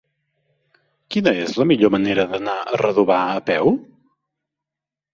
Quina és la millor manera d'anar a Redovà a peu?